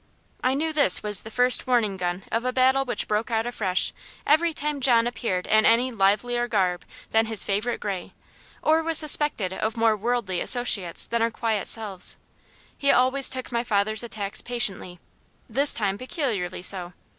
I knew this was the first warning gun of a battle which broke out afresh every time John appeared in any livelier garb than his favourite grey, or was suspected of any more worldly associates than our quiet selves. He always took my father's attacks patiently this time peculiarly so.